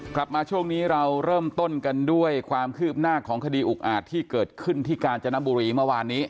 กลับมาช่วงนี้เราเริ่มต้นกันด้วยความคืบหน้าของคดีอุกอาจที่เกิดขึ้นที่กาญจนบุรีเมื่อวานนี้